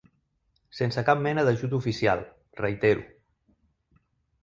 Sense cap mena d'ajut oficial, reitero.